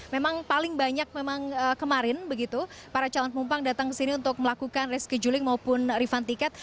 memang paling banyak memang kemarin begitu para calon penumpang datang ke sini untuk melakukan rescheduling maupun refund tiket